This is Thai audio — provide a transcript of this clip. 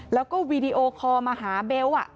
แล้วก็วีดีโอคอลมาหาเบล